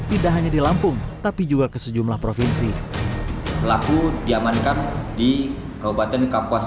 tidak hanya di lampung tapi juga ke sejumlah provinsi pelaku diamankan di kabupaten kapuas